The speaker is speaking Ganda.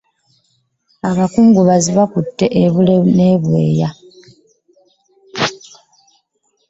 Abakungubazi baakutte e Bule n'ebweya.